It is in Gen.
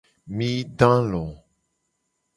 Mi do alo.